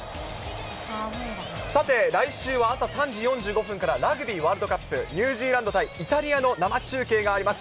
さて、来週は朝３時４５分からラグビーワールドカップ、ニュージーランド対イタリアの生中継があります。